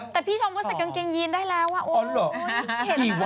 แต่พี่ชมก็ใส่กางเกงยีนได้แล้วอ่ะ